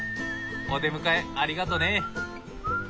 お出迎えありがとね。